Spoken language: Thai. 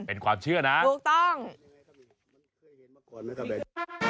เป็นความเชื่อนะถูกต้องนะครับเป็นไงครับอีก